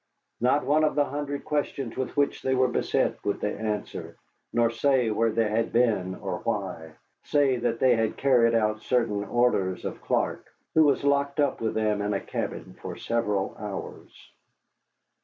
Not one of the hundred questions with which they were beset would they answer, nor say where they had been or why, save that they had carried out certain orders of Clark, who was locked up with them in a cabin for several hours.